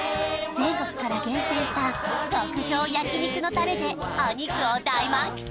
全国から厳選した極上焼肉のタレでお肉を大満喫